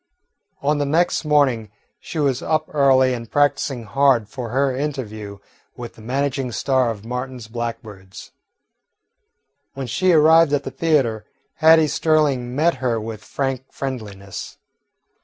On the next morning she was up early and practising hard for her interview with the managing star of "Martin's Blackbirds." When she arrived at the theatre, Hattie Sterling met her with frank friendliness.